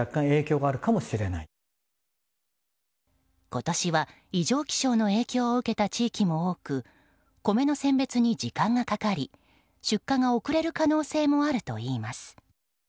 今年は異常気象の影響を受けた地域も多く米の選別に時間がかかり出荷が遅れる可能性もあるといいます。